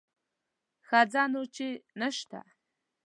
ښه ځه نو چې نه شته.